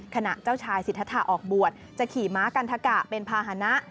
ขณะเจ้าชายสิทธาออกบวชจะขี่ม้ากันทะกะเป็นภาษณะ